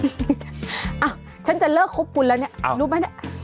อาฉันจะเลิกควบคุณแล้วนะฮะ